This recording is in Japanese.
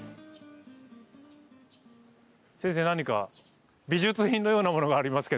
先生何か美術品のようなものがありますけど。